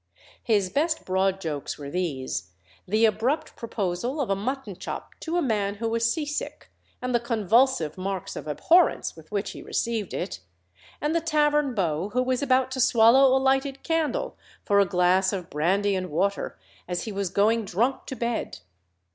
His best broad jokes were these: the abrupt proposal of a mutton chop to a man who was sea sick, and the convulsive marks of abhorrence with which he received it; and the tavern beau who was about to swallow a lighted candle for a glass of brandy and water as he was going drunk to bed.